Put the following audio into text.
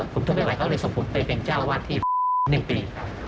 ผมทำไม่ไหวเขาเลยส่งผมไปเป็นเจ้าว่านที่หนึ่งปี